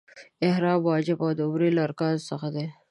احرام واجب او د عمرې له ارکانو څخه دی.